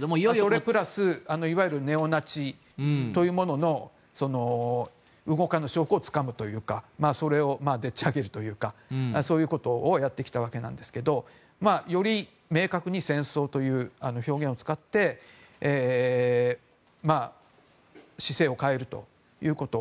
それプラスいわゆるネオナチというものの動かぬ証拠をつかむというかそれをでっち上げるというかそういうことをやってきたわけですけどより明確に戦争という表現を使って市政を変えるということ。